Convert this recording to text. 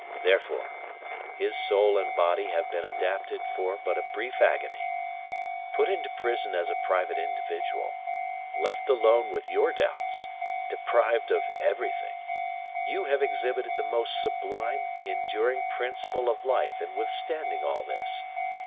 Therefore, his soul and body have been adapted for but a brief agony. Put into prison as a private individual, left alone with your doubts, deprived of everything, you have exhibited the most sublime, enduring principle of life in withstanding all this.